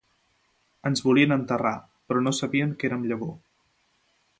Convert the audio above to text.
Ens volien enterrar, però no sabien que érem llavor